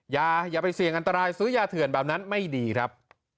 อย่าไปเสี่ยงอันตรายซื้อยาเถื่อนแบบนั้นไม่ดีครับ